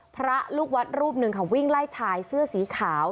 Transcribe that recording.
พระลูกวัดรูปหนึ่งค่ะวิ่งไล่ชายเสื้อสีขาว